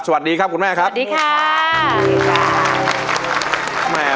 สวัสดีครับคุณแม่ครับสวัสดีค่ะสวัสดีค่ะ